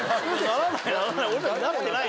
ならない